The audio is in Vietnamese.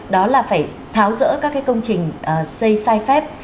đó là phải tháo rỡ các cái công trình xây sai phép